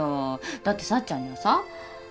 だって幸ちゃんにはさ。